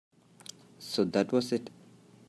So that was it.